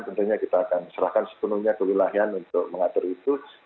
tentunya kita akan serahkan sepenuhnya kewilayahan untuk mengatur itu